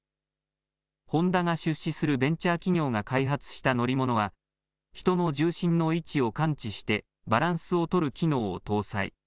ホンダが出資するベンチャー企業が開発した乗り物は人の重心の位置を感知してバランスを取る機能を搭載。